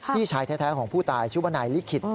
พี่ชายแท้ของผู้ตายชุบนายลิขิต